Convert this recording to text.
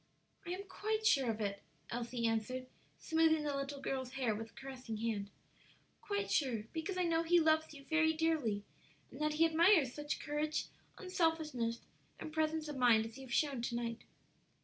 "I am quite sure of it," Elsie answered, smoothing the little girl's hair with caressing hand, "quite sure; because I know he loves you very dearly, and that he admires such courage, unselfishness, and presence of mind as you have shown to night."